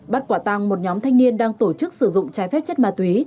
bắt quả tăng một nhóm thanh niên đang tổ chức sử dụng trái phép chất ma túy